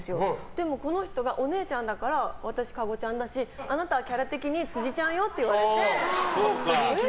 でも、この人がお姉ちゃんだから私、加護ちゃんだしあなたはキャラ的に辻ちゃんよって言われて。